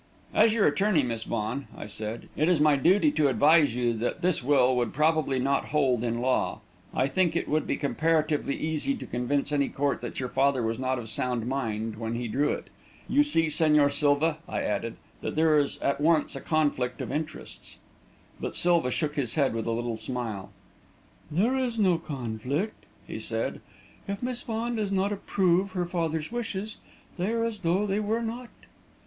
"As your attorney, Miss Vaughan," I said, "it is my duty to advise you that this will would probably not hold in law. I think it would be comparatively easy to convince any court that your father was not of sound mind when he drew it. You see, Señor Silva," I added, "that there is at once a conflict of interests." But Silva shook his head with a little smile. "There is no conflict," he said. "If Miss Vaughan does not approve her father's wishes, they are as though they were not!"